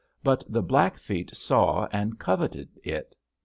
But the Blackfeet saw and coveted it.